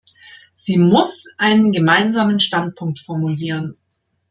Sie muss einen gemeinsamen Standpunkt formulieren.